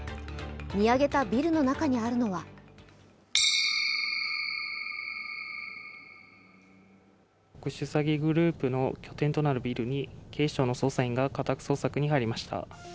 見上げたビルの中にあるのは特殊詐偽グループの拠点となるビルに、警視庁の捜査員が家宅捜索に入りました。